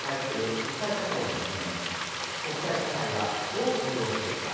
国際社会はどう対応すべきか。